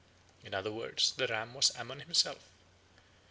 In other words, the ram was Ammon himself.